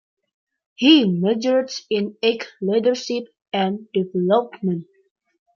He majored in Ag Leadership and Development.